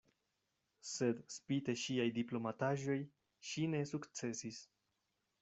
Sed spite ŝiaj diplomataĵoj ŝi ne sukcesis.